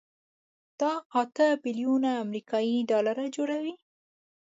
دا اته بيلیونه امریکایي ډالره جوړوي.